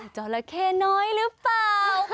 จอละแค่น้อยหรือเปล่า